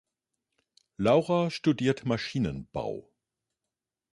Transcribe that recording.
Laura studiert Maschinenbau.